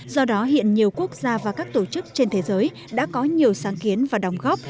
do đó hiện nhiều quốc gia và các tổ chức trên thế giới đã có nhiều sáng kiến và đồng góp